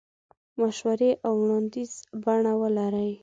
مشورې او وړاندیز بڼه ولري.